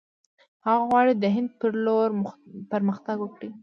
هغه غواړي د هند پر لور پرمختګ وکړي.